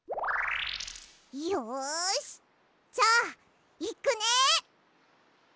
よしじゃあいくね。